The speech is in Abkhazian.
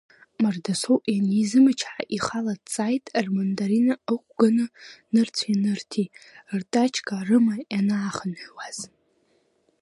Мардасоу ианизымчҳа ихала дҵааит, рмандарина ықәганы нырцә ианырҭи, ртачка рыма ианаахынҳәуаз…